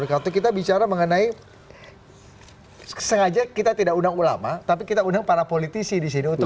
kalau kita bicara mengenai sengaja kita tidak undang ulama tapi kita undang para politisi di sini untuk